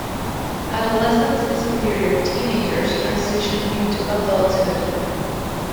Adolescence is a period teenagers transition into adulthood.